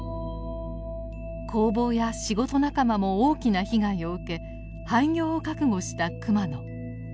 工房や仕事仲間も大きな被害を受け廃業を覚悟した熊野。